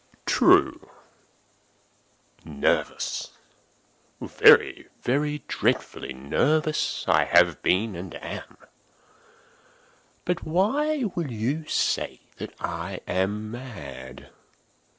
True!—nervous—very, very dreadfully nervous I had been and am; but why will you say that I am mad?